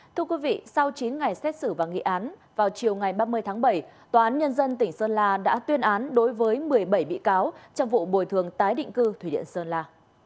thưa quý vị sau chín ngày xét xử và nghị án vào chiều ngày ba mươi tháng bảy tòa án nhân dân tỉnh sơn la đã tuyên án đối với một mươi bảy bị cáo trong vụ bồi thường tái định cư thủy điện sơn la